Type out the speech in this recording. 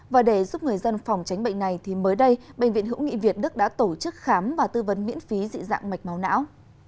và để giúp người dân phòng tránh bệnh này thì mới đây bệnh viện hữu nghị việt đức đã tổ chức khám và tư vấn miễn phí dị dạng mạch máu não